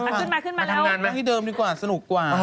อ๋อไปทำงานดีกว่ามานั่งที่เดิมดีกว่าสนุกกว่า